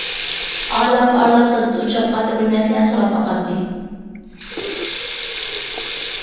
ئارىلاپ-ئارىلاپ دادىسى ئۇچراپ قالسا بىر نەرسىلەرنى سوراپ باقاتتى.